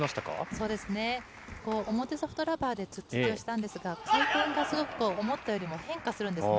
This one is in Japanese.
そうですね、表ソフトラバーでツッツキをしたんですが、思ったよりも変化するんですね。